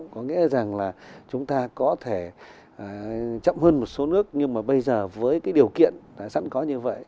có nghĩa rằng là chúng ta có thể chậm hơn một số nước nhưng mà bây giờ với cái điều kiện sẵn có như vậy